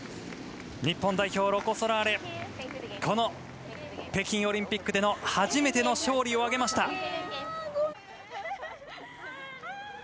日本代表ロコ・ソラーレこの北京オリンピックでの初めての勝利をあげました。